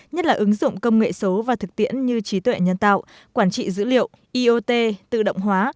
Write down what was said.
nhất là ứng dụng công nghệ số và thực tiễn như trí tuệ nhân tạo quản trị dữ liệu iot tự động hóa